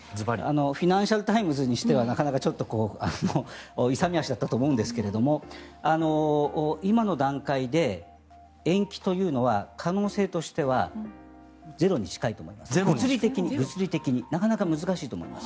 フィナンシャル・タイムズにしてはなかなか勇み足だったと思うんですが今の段階で延期というのは可能性としては物理的にゼロに近いと思います。